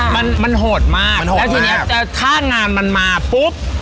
มันมันโหดมากมันโหดมากแล้วทีเนี้ยถ้างานมันมาปุ๊บ